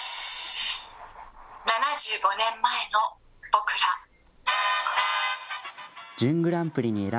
７５年前の僕ら。